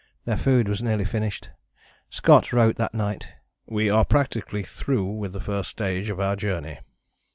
Their food was nearly finished. Scott wrote that night: "We are practically through with the first stage of our journey."